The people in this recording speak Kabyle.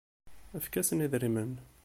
Efk-asen idrimen.